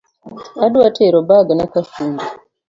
Adwa tero bagna kafundi